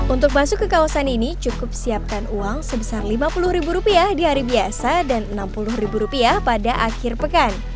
untuk masuk ke kawasan ini cukup siapkan uang sebesar lima puluh ribu rupiah di hari biasa dan enam puluh ribu rupiah pada akhir pekan